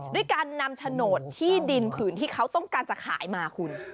ด้วยการนำโฉนดที่ดินผืนที่เขาต้องการจะขายมาคุณ